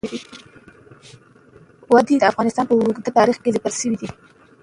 وادي د افغانستان په اوږده تاریخ کې ذکر شوی دی.